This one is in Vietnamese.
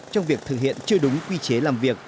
trong việc thực hiện chưa đúng quy chế làm việc